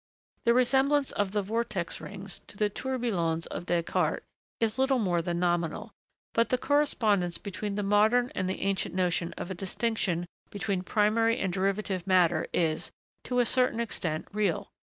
The resemblance of the 'vortex rings' to the 'tourbillons' of Descartes is little more than nominal; but the correspondence between the modern and the ancient notion of a distinction between primary and derivative matter is, to a certain extent, real.